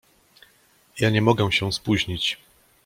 "Ja nie mogę się spóźnić."